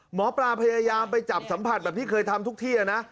หมอปลาพยายามไปจับสัมผัสแบบที่เคยทำทุกที่นะ